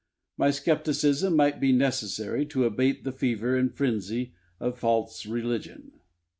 My scepticism might be necessary to abate the fever and frenzy of false religion.